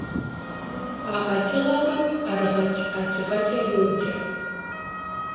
А къэкӀыгъэхэм ӀэрыгъэкӀ къэкӀыгъэкӀэ йоджэ.